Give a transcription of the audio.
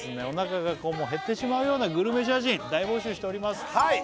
お腹が減ってしまうようなグルメ写真大募集しております